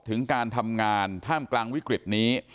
ถึงการทำงานท่ามกลางวิกฤตนี้